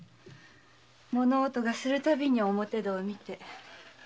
物音がする度に表戸を見て。